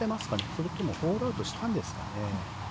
それともホールアウトしたんですかね？